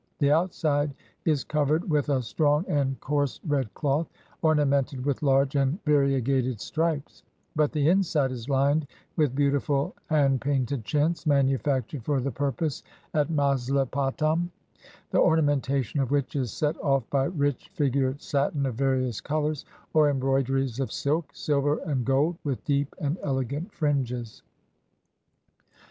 The outside is covered with a strong and coarse red cloth, ornamented with large and variegated stripes; but the inside is lined with beautiful hand painted chintz, manufactured for the purpose at Mas lipatam, the ornamentation of which is set off by rich figured satin of various colors, or embroideries of silk, silver, and gold, with deep and elegant fringes.